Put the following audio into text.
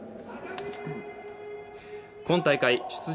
今大会、出場